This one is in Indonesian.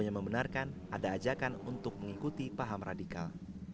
yang membenarkan ada ajakan untuk mengikuti paham radikal